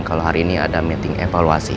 kalau hari ini ada meeting evaluasi